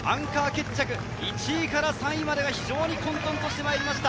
アンカー決着、１位から３位までが非常に混沌としてまいりました。